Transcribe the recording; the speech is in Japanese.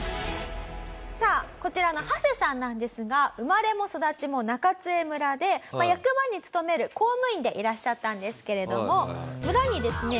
さあこちらのハセさんなんですが生まれも育ちも中津江村で役場に勤める公務員でいらっしゃったんですけれども村にですね